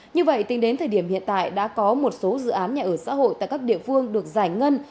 như vậy tính đến thời điểm hiện tại đã có một số dự án nhà ở xã hội tại các địa phương được giải ngân